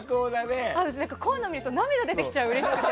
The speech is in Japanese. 私、こういうの見ると涙出てきちゃう、うれしくて。